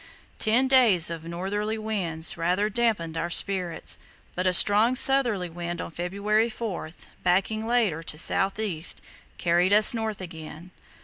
Ten days of northerly winds rather damped our spirits, but a strong southerly wind on February 4, backing later, to south east, carried us north again.